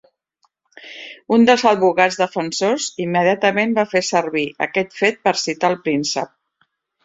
Un dels advocats defensors immediatament va fer servir aquest fet per citar el príncep.